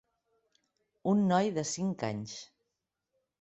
Un noi de cinc anys.